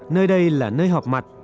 nơi đây là nơi họp mặt